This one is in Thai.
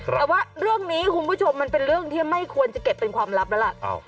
แต่ว่าเรื่องนี้คุณผู้ชมมันเป็นเรื่องที่ไม่ควรจะเก็บเป็นความลับแล้วล่ะ